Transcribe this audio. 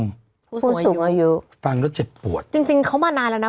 ผู้สูงอายุฟังแล้วเจ็บปวดจริงจริงเขามานานแล้วนะ